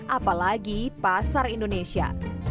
apalagi pasar indonesia